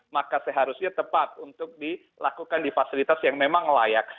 maka seharusnya tepat untuk dilakukan di fasilitas yang memang layak